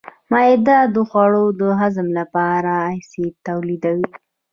معده د خوړو د هضم لپاره اسید تولیدوي.